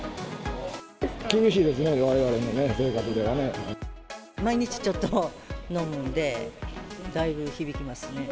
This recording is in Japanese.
厳しいですね、毎日ちょっと、飲むので、だいぶ響きますね。